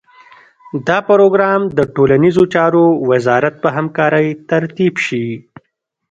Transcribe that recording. دا پروګرام د ټولنیزو چارو وزارت په همکارۍ ترتیب شي.